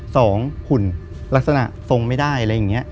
หุ่นลักษณะทรงไม่ได้อะไรอย่างนี้